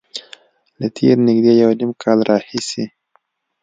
له تېر نږدې یو نیم کال راهیسې